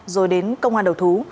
rồi đến công an đầu thú